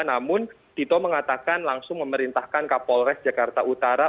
namun tito mengatakan langsung memerintahkan kapolres jakarta utara